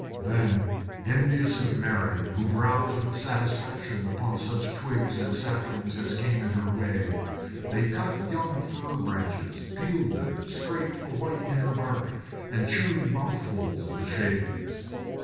Then, envious of Mary, who browsed with satisfaction on such twigs and saplings as came in her way, they cut young fir branches, peeled them, scraped the white inner bark, and chewed mouthfuls of the shavings.